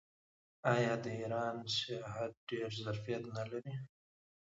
آیا د ایران سیاحت ډیر ظرفیت نلري؟